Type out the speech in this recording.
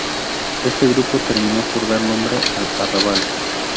Este grupo terminó por dar nombre al arrabal.